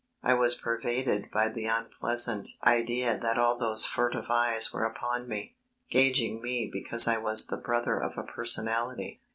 I was pervaded by the unpleasant idea that all those furtive eyes were upon me; gauging me because I was the brother of a personality.